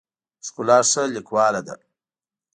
ښکلا ښه لیکواله ده.